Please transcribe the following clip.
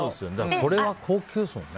これは高級ですもんね。